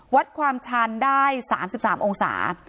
วัดความชันได้๓๓องศา